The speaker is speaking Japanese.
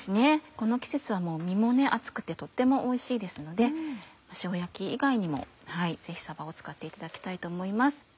この季節はもう身も厚くてとってもおいしいですので塩焼き以外にもぜひさばを使っていただきたいと思います。